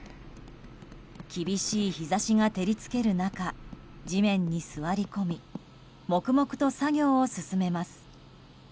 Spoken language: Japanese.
厳しい日差しが照り付ける中地面に座り込み黙々と作業を進めます。